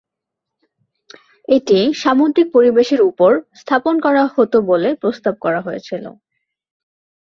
এটি সামুদ্রিক পরিবেশের উপর স্থাপন করা হতো বলে প্রস্তাব করা হয়েছিল।